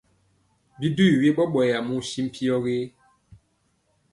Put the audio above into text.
Bi jwi we ɓɔɓɔyɛ muu si mpyɔ gé?